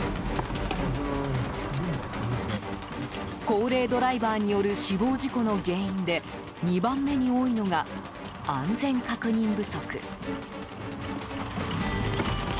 高齢ドライバーによる死亡事故の原因で２番目に多いのが安全確認不足。